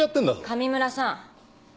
上村さん。